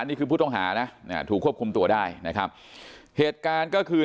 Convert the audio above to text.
นี่คือผู้ต้องหานะถูกควบคุมตัวได้นะครับเหตุการณ์ก็คือ